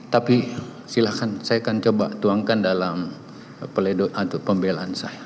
tapi silahkan saya akan coba tuangkan dalam pembelaan saya